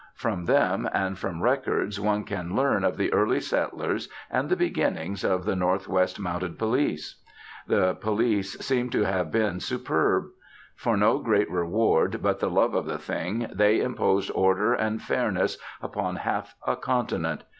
From them, and from records, one can learn of the early settlers and the beginnings of the North West Mounted Police. The Police seem to have been superb. For no great reward, but the love of the thing, they imposed order and fairness upon half a continent.